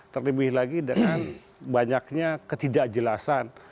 terlebih lagi dengan banyaknya ketidakjelasan